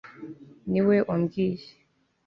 ni we wambwiye